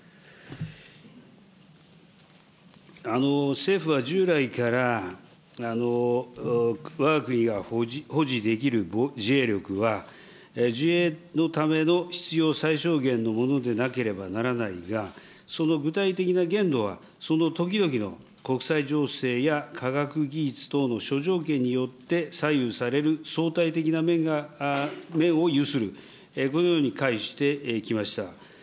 政府は従来から、わが国が保持できる自衛力は、自衛のための必要最小限のものでなければならないが、その具体的な限度はその時々の国際情勢や科学技術等の諸条件によって、左右される相対的な面を有する、このようにかいしてきました。